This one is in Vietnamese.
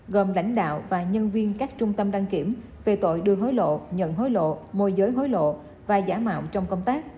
gồm lãnh đạo và nhân viên các trung tâm đăng kiểm về tội đưa hối lộ nhận hối lộ môi giới hối lộ và giả mạo trong công tác